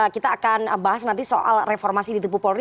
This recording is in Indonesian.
kita akan bahas nanti soal reformasi ditipu polri